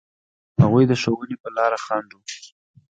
هغوی د ښوونې په لاره خنډ و.